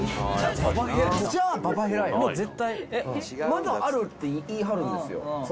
まだあるって言い張るんですよ。